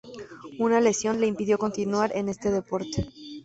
Una lesión le impidió continuar en este deporte.